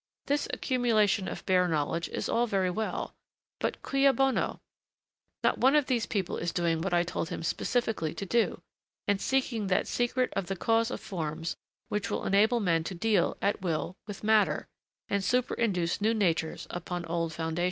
This accumulation of bare knowledge is all very well, but cui bono? Not one of these people is doing what I told him specially to do, and seeking that secret of the cause of forms which will enable men to deal, at will, with matter, and superinduce new natures upon the old foundations.'